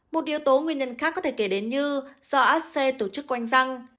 một yếu tố nguyên nhân khác có thể kể đến như do áp xe tổ chức quanh răng